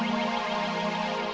makanya silakan tidur